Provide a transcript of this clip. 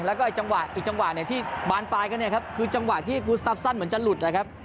แล้วก็จังหวะอีกจังหวะเนี่ยที่บานปลายกันเนี่ยครับคือจังหวะที่กูสตับสั้นเหมือนจะหลุดนะครับ